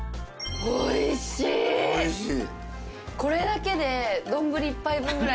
おいしい。